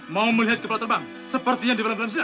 mau melihat kepala terbang seperti yang di dalam dalam senyap